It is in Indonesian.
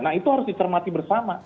nah itu harus dicermati bersama